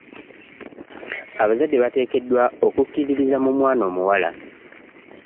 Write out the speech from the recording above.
Abazadde bateekeddwa okukkiririza mu mwana omuwala.